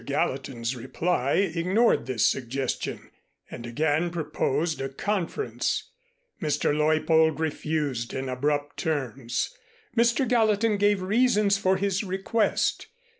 Gallatin's reply ignored this suggestion, and again proposed a conference. Mr. Leuppold refused in abrupt terms. Mr. Gallatin gave reasons for his request.